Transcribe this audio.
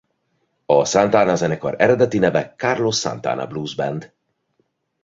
A Santana zenekar eredeti neve Carlos Santana Blues Band.